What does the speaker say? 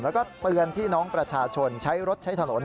แล้วก็เตือนพี่น้องประชาชนใช้รถใช้ถนน